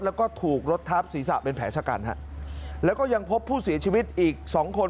แล้วก็ถูกรถทับศีรษะเป็นแผลชะกันฮะแล้วก็ยังพบผู้เสียชีวิตอีกสองคน